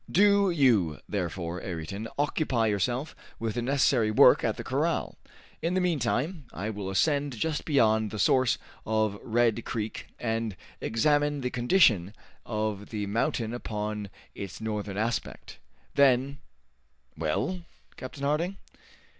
Do you, therefore, Ayrton, occupy yourself with the necessary work at the corral. In the meantime I will ascend just beyond the source of Red Creek and examine the condition of the mountain upon its northern aspect. Then " "Well, Captain Harding?"